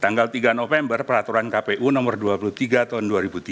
tanggal tiga november peraturan kpu nomor dua puluh tiga tahun dua ribu tiga belas